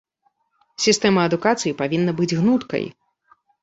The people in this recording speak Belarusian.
Сістэма адукацыі павінна быць гнуткай.